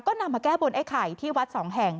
ก็นำมาแก้บนไอ้ไข่ที่วัดสองแห่ง